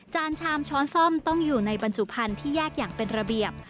ชามช้อนซ่อมต้องอยู่ในบรรจุภัณฑ์ที่แยกอย่างเป็นระเบียบ